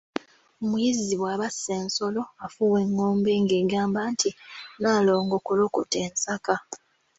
Omuyizzi bw'aba asse ensolo afuuwa engombe ng'egamba nti 'Nnaalongo kolokota ensaka'.